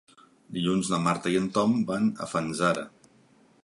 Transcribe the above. Dilluns na Marta i en Tom van a Fanzara.